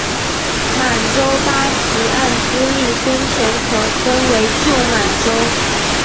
满洲八旗按资历深浅可分为旧满洲。